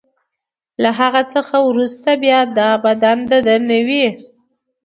له هغه څخه وروسته بیا دا بدن د ده نه وي.